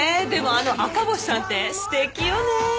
でもあの赤星さんってすてきよねぇ。